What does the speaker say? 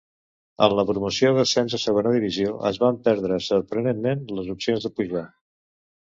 En la promoció d'ascens a Segona Divisió es van perdre sorprenentment les opcions de pujar.